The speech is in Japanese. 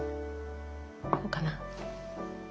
こうかな。